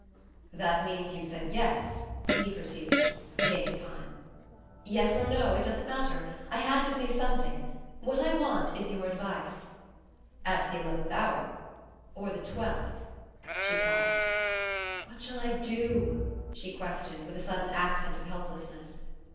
"That means you've said yes?" he pursued, to gain time. "Yes or no it doesn't matter. I had to say something. What I want is your advice." "At the eleventh hour?" "Or the twelfth." She paused. "What shall I do?" she questioned, with a sudden accent of helplessness.